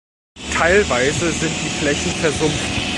Teilweise sind die Flächen versumpft.